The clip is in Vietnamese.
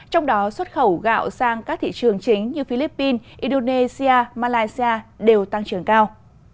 trong đó xuất khẩu gạo sang các thị trường chính như philippines indonesia malaysia đều tăng trưởng cao